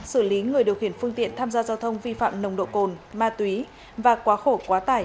xử lý người điều khiển phương tiện tham gia giao thông vi phạm nồng độ cồn ma túy và quá khổ quá tải